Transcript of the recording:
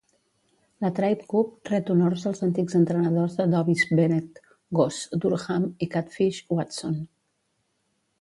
La Tribe Cup ret honors els antics entrenadors de Dobyns-Bennett "Goose" Durham i "Catfish" Watson.